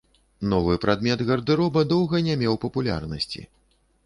Новы прадмет гардэроба доўга не меў папулярнасці.